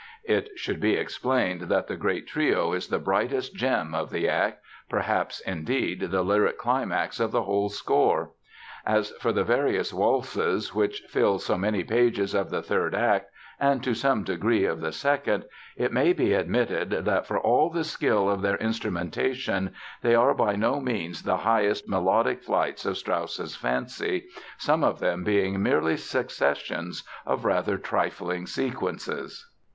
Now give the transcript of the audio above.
It should be explained that the great trio is the brightest gem of the act, perhaps, indeed, the lyric climax of the whole score! As for the various waltzes which fill so many pages of the third act (and to some degree of the second) it may be admitted that, for all the skill of their instrumentation they are by no means the highest melodic flights of Strauss's fancy, some of them being merely successions of rather trifling sequences.